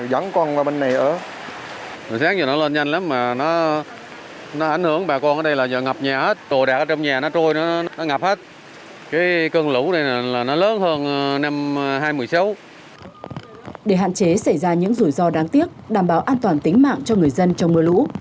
để hạn chế xảy ra những rủi ro đáng tiếc đảm bảo an toàn tính mạng cho người dân trong mưa lũ